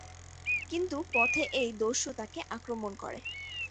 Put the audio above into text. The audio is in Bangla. কিন্তু পথে এক দস্যু তাকে আক্রমণ করে।